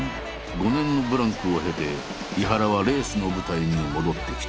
５年のブランクを経て井原はレースの舞台に戻ってきた。